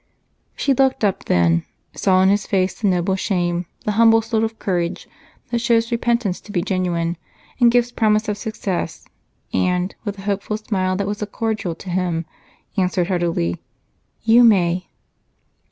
She looked up then, saw in his face the noble shame, the humble sort of courage that shows repentance to be genuine and gives promise of success, and, with a hopeful smile that was a cordial to him, answered heartily: "You may."